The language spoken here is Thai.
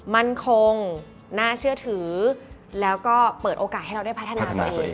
มั่นคงน่าเชื่อถือแล้วก็เปิดโอกาสให้เราได้พัฒนาตัวเอง